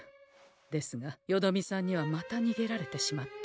ですがよどみさんにはまたにげられてしまった。